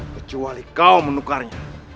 kecuali kau menukarnya